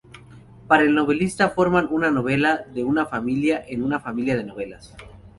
Para el novelista forman "una novela de una familia en una familia de novelas".